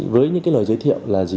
với những lời giới thiệu là gì